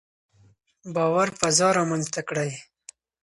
باور فضا رامنځته کړئ.